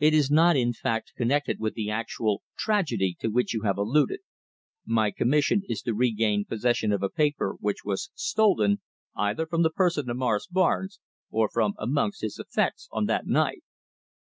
It is not, in fact, connected with the actual tragedy to which you have alluded. My commission is to regain possession of a paper which was stolen either from the person of Morris Barnes or from amongst his effects, on that night."